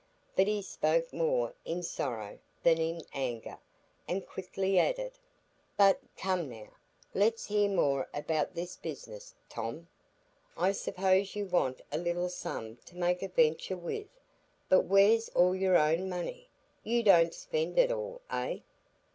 But he spoke more in sorrow than in anger, and quickly added: "But, come now, let's hear more about this business, Tom. I suppose you want a little sum to make a venture with. But where's all your own money? You don't spend it all—eh?"